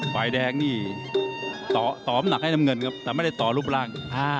ฝ่ายแดงนี่ต่อมหนักให้น้ำเงินครับแต่ไม่ได้ต่อรูปร่าง